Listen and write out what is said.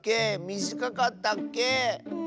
みじかかったっけ？